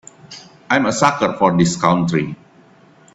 I'm a sucker for this country.